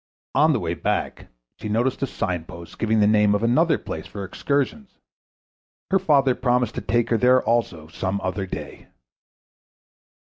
On the way back she noticed a signpost giving the name of another place for excursions; her father promised to take her there also some other day.